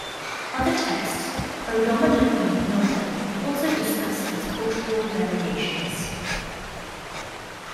Other texts, predominantly military, also discussed these cultural variations.